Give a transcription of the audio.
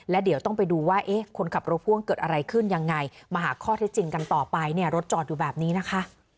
แล้วเดี๋ยวต้องไปดูว่าคนขับรถพ่วงเกิดอะไรขึ้นยังไงมาหาข้อเท็จจริงกันต่อไปเนี่ยรถจอดอยู่แบบนี้นะคะ